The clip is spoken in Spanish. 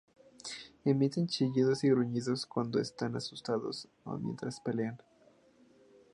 Emiten chillidos y gruñidos cuando están asustados o mientras pelean.